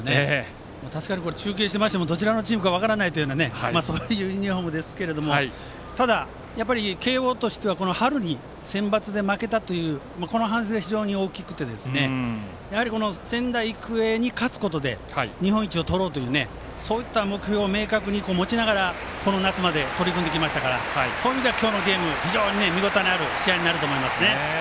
中継していてもどちらのチームか分からないようなユニフォームですけどただ、慶応としては春にセンバツで負けたというこの反省が大きくて、仙台育英に勝つことで日本一をとろうというそういった目標を明確に持ちながらこの夏まで取り組んできましたからそういう意味では今日のゲームは見応えのある試合になると思います。